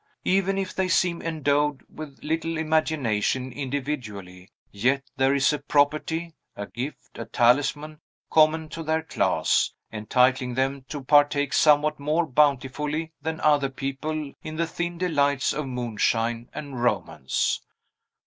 Even if they seem endowed with little imagination individually, yet there is a property, a gift, a talisman, common to their class, entitling them to partake somewhat more bountifully than other people in the thin delights of moonshine and romance.